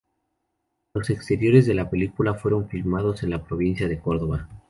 Los exteriores de la película fueron filmados en la provincia de Córdoba.